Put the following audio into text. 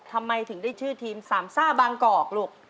ทำไมถึงได้ชื่อทีมสามซ่าบางกอกลูก